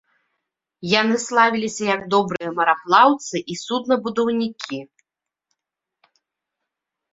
Яны славіліся як добрыя мараплаўцы і суднабудаўнікі.